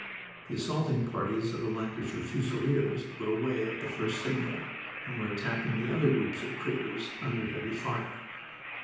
The assaulting parties of the Lancashire Fusiliers were away at the first signal, and were attacking the other groups of craters under heavy fire.